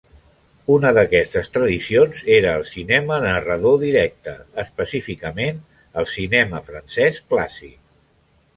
Una d'aquestes tradicions era el cinema narrador directe, específicament el cinema francès clàssic.